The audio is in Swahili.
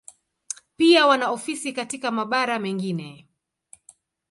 Pia wana ofisi katika mabara mengine.